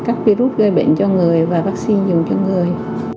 các virus gây bệnh cho người và vaccine dùng cho người